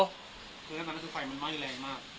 หรือว่าศุภารมันไม่แรงมาก